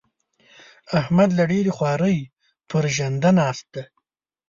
احمد له ډېرې خوارۍ؛ پر ژنده ناست دی.